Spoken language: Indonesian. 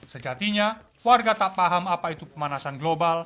sejatinya warga tak paham apa itu pemanasan global